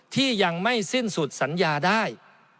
ที่ยังไม่สิ้นสุดสัญญาได้